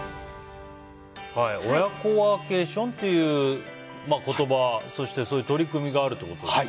親子ワーケーションっていう言葉そしてそういう取り組みがあるということですね。